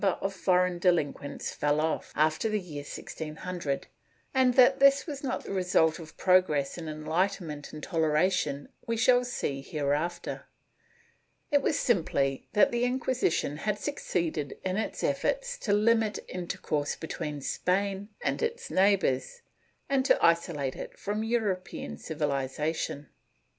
462 PROTESTANTISM [Book VIII of foreign delinquents fell off, after the year 1600, and that this was not the result of progress in enlightenment and toleration we shall see hereafter. It was simply that the Inquisition had succeeded in its efforts to limit intercourse between Spain and its neighbors, and to isolate it from European civilization.